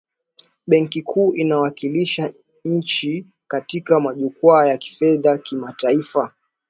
benki kuu inawakilisha nchi katika majukwaa ya kifedha kimataifa